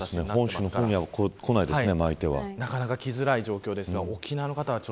本州の方にはこないですね。